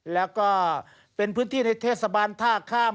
แล้วก็เป็นพื้นที่ในเทศบาลท่าข้าม